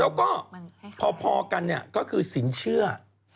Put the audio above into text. แล้วก็พอพอกันก็คือสินเชื่อ